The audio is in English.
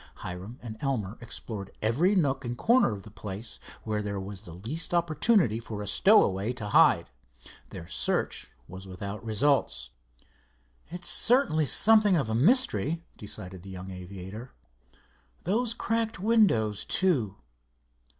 Hiram and Elmer explored every nook and corner of the place where there was the least opportunity for a stowaway to hide. Their search was without results. "It's certainly something of a mystery," decided the young aviator. "Those cracked windows, too.